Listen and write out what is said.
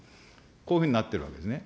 こういうふうになってるわけですね。